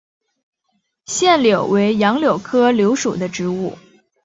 腺柳为杨柳科柳属的植物。